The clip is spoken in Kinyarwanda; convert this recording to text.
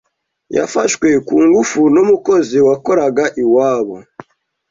yafashwe ku ngufu n’umukozi wakoraga iwabo.